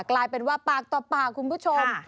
กลายเป็นว่าปากต่อปากคุณผู้ชม